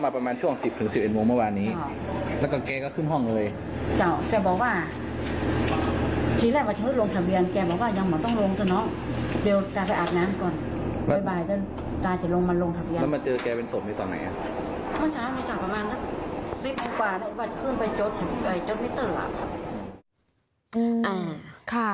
พ่อช้าเมื่อวานประมาณ๑๐ปีกว่าขึ้นไปจดไม่เจออ่ะครับ